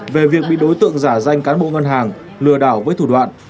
về việc bị đối tượng giả danh cán bộ ngân hàng lừa đảo với thủ đoạn